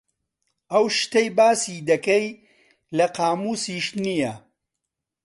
ئەو شتەی باسی دەکەی لە قامووسیش نییە.